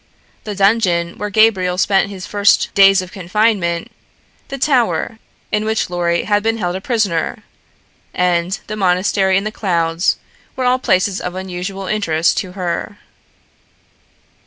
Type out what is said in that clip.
The dungeon where Gabriel spent his first days of confinement, the Tower in which Lorry had been held a prisoner, and the monastery in the clouds were all places of unusual interest to her.